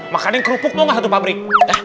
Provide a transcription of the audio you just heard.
makan yang kerupuk itu nggak satu pabrik